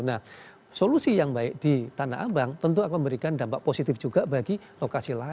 nah solusi yang baik di tanah abang tentu akan memberikan dampak positif juga bagi lokasi lain